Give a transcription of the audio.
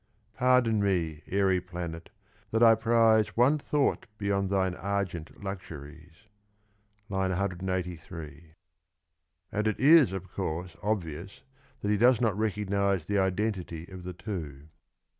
— Pardon me, airy planet, that I prize One thought beyond thine argent luxuries! (III. 183) and it is, of course, obvious that he does not recognise the identity of the two.